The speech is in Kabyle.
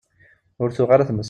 Ur tuɣ ara tmes.